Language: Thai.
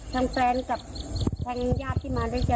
ทางแฟนกับทางญาติที่มาด้วยกัน